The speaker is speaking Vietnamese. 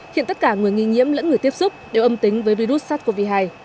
hiện tất cả người nghi nhiễm lẫn người tiếp xúc đều âm tính với virus sars cov hai